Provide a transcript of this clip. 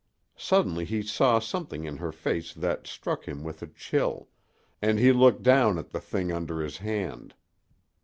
Suddenly he saw something in her face that struck him with a chill, and he looked down at the thing under his hand.